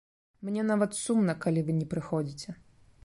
Мне нават сумна, калі вы не прыходзіце.